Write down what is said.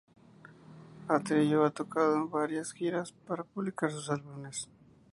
Atreyu ha tocado en varias giras para publicitar sus álbumes.